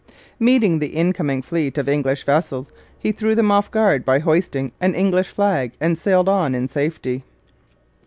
Meeting the incoming fleet of English vessels, he threw them off guard by hoisting an English flag, and sailed on in safety.